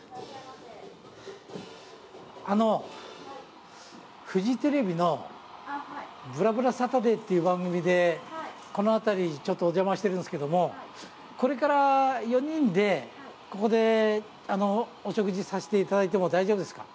あのフジテレビの『ぶらぶらサタデー』っていう番組でこの辺りちょっとお邪魔してるんですけどもこれから４人でここでお食事させていただいても大丈夫ですか？